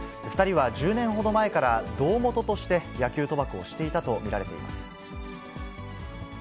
２人は１０年ほど前から、胴元として野球賭博をしていたと見られています。